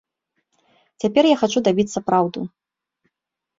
Цяпер я хачу дабіцца праўду.